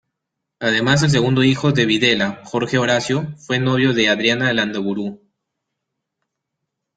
Además, el segundo hijo de Videla -Jorge Horacio- fue novio de Adriana Landaburu.